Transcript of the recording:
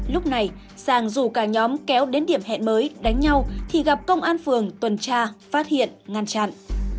lúc này sang rủ cả nhóm kéo đến điểm hẹn mới đánh nhau thì gặp công an phường tuần tra phát hiện ngăn chặn